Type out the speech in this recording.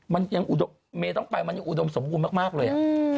มันยังเมย์ต้องไปมันยังอุดมสมบูรณ์มากเลย